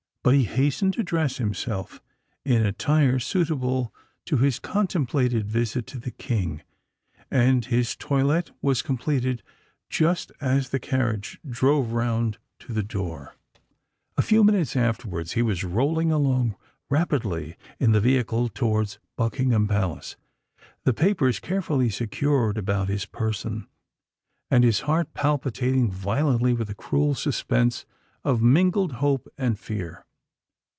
But he hastened to dress himself in attire suitable to his contemplated visit to the King; and his toilette was completed just as the carriage drove round to the door. A few minutes afterwards he was rolling rapidly along in the vehicle towards Buckingham Palace, the papers carefully secured about his person, and his heart palpitating violently with the cruel suspense of mingled hope and fear.